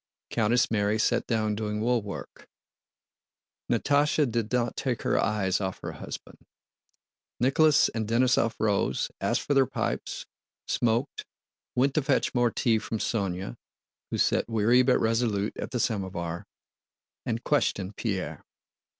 Countess Mary sat down doing woolwork; Natásha did not take her eyes off her husband. Nicholas and Denísov rose, asked for their pipes, smoked, went to fetch more tea from Sónya—who sat weary but resolute at the samovar—and questioned Pierre.